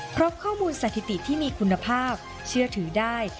เพราะข้อมูลสถิติที่มีคุณภาพเชื่อถือได้